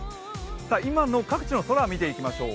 今の各地の空を見ていきましょう。